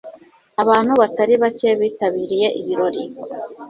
Abantu batari bake bitabiriye ibirori.